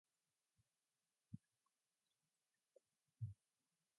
Many beach parks were also inundated, though evacuations prevented any deaths.